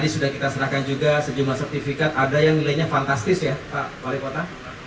sudah kita serahkan juga sejumlah sertifikat ada yang nilainya fantastis ya pak wali kota